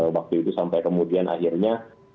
waktu itu sampai kemudian akhirnya